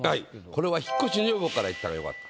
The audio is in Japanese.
これは「引越し女房」からいった方が良かった。